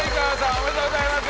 ありがとうございます！